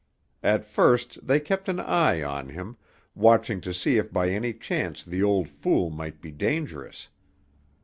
At first, they kept an eye on him, watching to see if by any chance the old fool might be dangerous.